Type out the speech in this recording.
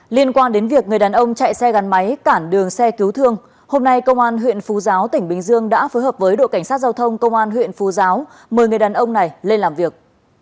liên quan đến việc người đàn ông chạy xe gắn máy cản đường xe cứu thương hôm nay công an huyện phú giáo tỉnh bình dương đã phối hợp với đội cảnh sát giao thông công an huyện phú giáo mời người đàn ông này lên làm việc